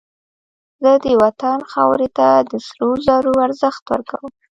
زه د وطن خاورې ته د سرو زرو ارزښت ورکوم